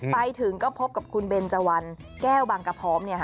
ไปถึงก็พบกับคุณเบนเจาันแก้วบังกะพร้อมนี่ค่ะ